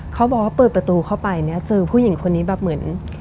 เขาบอกว่าเปิดประตูเข้าไปเนี่ยเจอผู้หญิงคนนี้แบบเหมือน